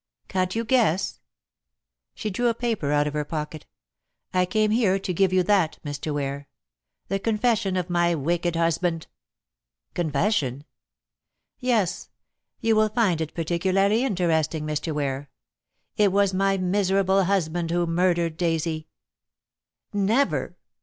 "Can't you guess?" She drew a paper out of her pocket. "I came here to give you that, Mr. Ware. The confession of my wicked husband." "Confession?" "Yes. You will find it particularly interesting, Mr. Ware. It was my miserable husband who murdered Daisy." "Never!"